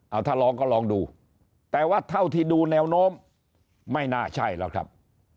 เอาถ้าลองก็ลองดูแต่ว่าเท่าที่ดูแนวโน้มไม่น่าใช่แล้วครับ